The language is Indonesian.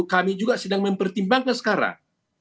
kami juga sedang mempertimbangkan sekarang